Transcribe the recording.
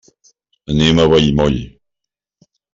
Anem a Vallmoll.